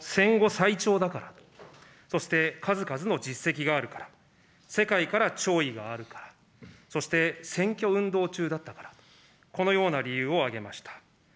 総理は先ほど、戦後最長だから、そして、数々の実績があるから、世界から弔意があるから、そして、選挙運動中だったから、このような理由を挙げました。